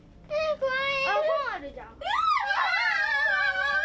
怖い。